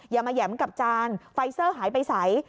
อย่ามาแห่มกับจานไฟเซอร์หายไปใส